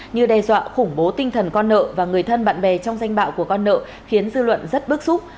như đe dọa khủng bố tinh thần con nợ và người thân bạn bè trong danh bạo của con nợ khiến dư luận rất bức xúc